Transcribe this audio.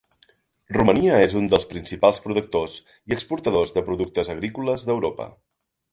Romania és un dels principals productors i exportadors de productes agrícoles d'Europa.